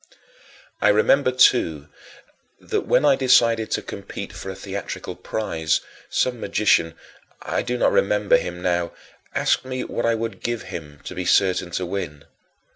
3. I remember too that, when I decided to compete for a theatrical prize, some magician I do not remember him now asked me what I would give him to be certain to win.